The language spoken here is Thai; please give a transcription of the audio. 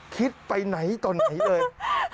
คิดไปไหนตอนไหนเลย